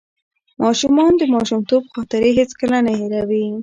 ماشومان د ماشومتوب خاطرې هیڅکله نه هېروي.